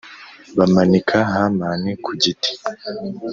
bamanika Hamani ku giti